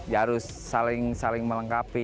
harus saling melengkapi